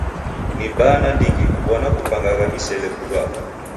Ni baa nandighi kaw'ona kupangagha misele kudwagha.